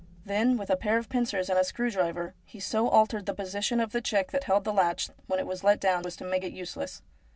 Then, with a pair of pincers and a screw driver, he so altered the position of the check that held the latch when it was let down as to make it useless.